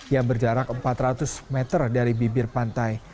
yang berjarak empat ratus meter dari bibir pantai